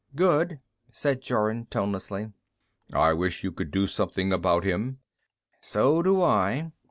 "Good," said Jorun tonelessly. "I wish you could do something about him." "So do I."